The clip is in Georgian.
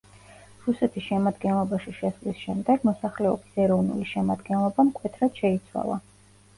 რუსეთის შემადგენლობაში შესვლის შემდეგ მოსახლეობის ეროვნული შემადგენლობა მკვეთრად შეიცვალა.